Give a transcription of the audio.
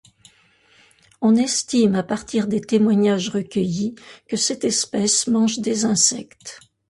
On estime, à partir des témoignages recueillis, que cette espèce mange des insectes.